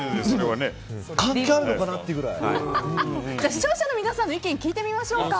視聴者の皆さんの意見を聞いてみましょうか。